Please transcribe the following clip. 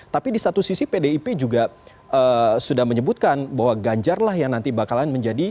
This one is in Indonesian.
tapi di satu sisi pdip juga sudah menyebutkan bahwa ganjar lah yang nanti bakalan menjadi